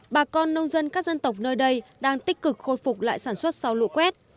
bà con nông dân các dân tộc nơi đây đang tích cực khôi phục lại sản xuất sau lũ quét